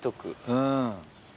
うん。